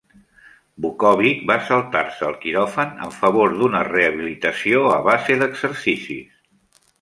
Vuckovich va saltar-se el quiròfan en favor d'una rehabilitació a base d'exercicis.